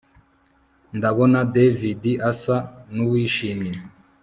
Ndabona David asa nuwishimye